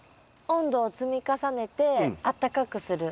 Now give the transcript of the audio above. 温度を積み重ねてあったかくする。